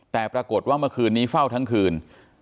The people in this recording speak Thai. แต่ปรากฏว่าเมื่อคืนนี้เฝ้าทั้งคืน